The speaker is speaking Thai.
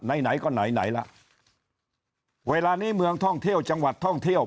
ไหนไหนก็ไหนไหนล่ะเวลานี้เมืองท่องเที่ยวจังหวัดท่องเที่ยว